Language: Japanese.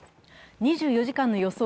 ２４時間の予想